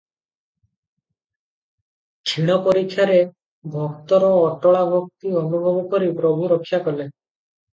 କ୍ଷୀଣ ପରୀକ୍ଷାରେ ଭକ୍ତର ଅଟଳାଭକ୍ତି ଅନୁଭବ କରି ପ୍ରଭୁ ରକ୍ଷା କଲେ ।